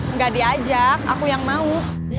nggak diajak aku yang mau